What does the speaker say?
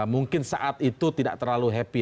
mungkin saat itu tidak terlalu happy